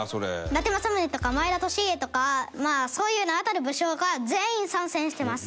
伊達政宗とか前田利家とかまあそういう名だたる武将が全員参戦してます。